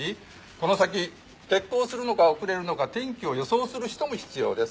この先欠航するのか遅れるのか天気を予想する人も必要です。